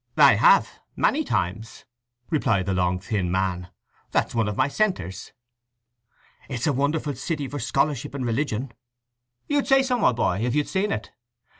"I have—many times," replied the long thin man. "That's one of my centres." "It's a wonderful city for scholarship and religion?" "You'd say so, my boy, if you'd seen it.